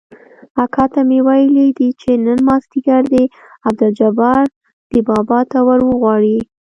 اکا ته مې ويلي دي چې نن مازديګر دې عبدالجبار ده بابا ته وروغواړي.